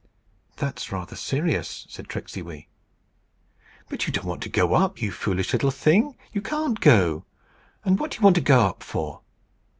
"That's rather serious," said Tricksey Wee. "But you don't want to go up, you foolish little thing! You can't go. And what do you want to go up for?"